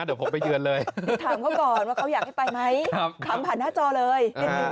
ถามก็ก่อนว่าเขาอยากให้ไปไหมครับหันผ่านหน้าจอเลย